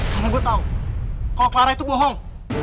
karena gue tau kalau clara itu bohong